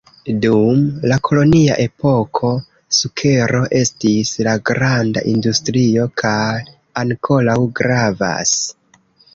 Dum la kolonia epoko, sukero estis la granda industrio kaj ankoraŭ gravas.